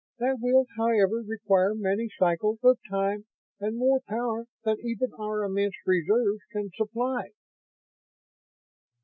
"That will, however, require many cycles of time and more power than even our immense reserves can supply."